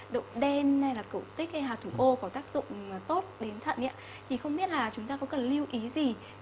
động đen hay là cầu tích hay hạt thủ ô có tác dụng tốt đến thận thì không biết là chúng ta có cần lưu ý gì